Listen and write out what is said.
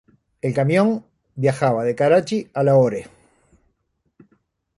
El camión viajaba de Karachi a Lahore.